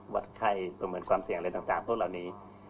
วัดไข้ประเมินความเสี่ยงอะไรต่างพวกเหล่านี้